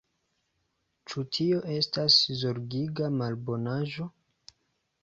Ĉu tio estas zorgiga malbonaĵo?